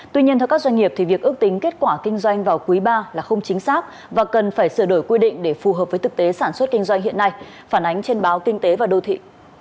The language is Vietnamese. tuy nhiên theo các doanh nghiệp việc ước tính kết quả kinh doanh vào quý ba là không chính xác và cần phải sửa đổi quy định để phù hợp với thực tế sản xuất kinh doanh hiện nay phản ánh trên báo kinh tế và đô thị